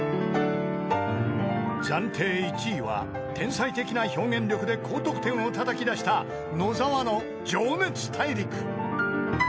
［暫定１位は天才的な表現力で高得点をたたき出した野澤の『情熱大陸』］